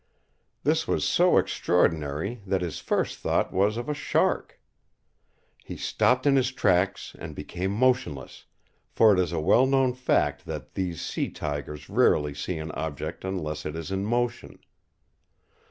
This was so extraordinary that his first thought was of a shark. He stopped in his tracks and became motionless, for it is a well known fact that these sea tigers rarely see an object unless it is in motion.